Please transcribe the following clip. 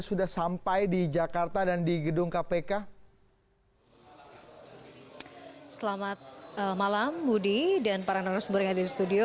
sudah sampai di jakarta dan di gedung kpk selamat malam budi dan para narasumber yang ada di studio